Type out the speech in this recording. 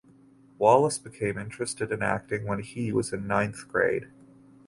Wallace became interested in acting when he was in ninth grade.